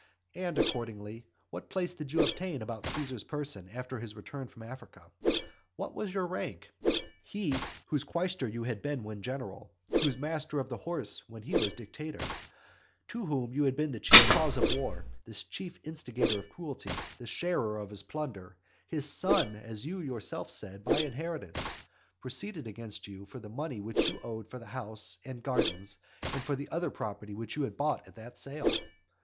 And accordingly, what place did you obtain about Caesar's person after his return from Africa? What was your rank? He whose quaestor you had been when general, whose master of the horse when he was dictator, to whom you had been the chief cause of war, the chief instigator of cruelty, the sharer of his plunder, his son, as you yourself said, by inheritance, proceeded against you for the money which you owed for the house and gardens, and for the other property which you had bought at that sale.